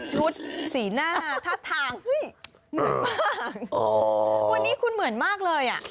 ชุดสีหน้าทับทางเหมือนมากวันนี้คุณเหมือนมากเลย